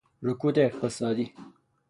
رکود اقتصادی